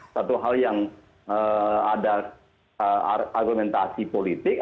satu hal yang ada argumentasi politik